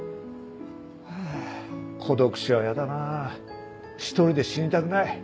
ハァ孤独死は嫌だなぁ１人で死にたくない。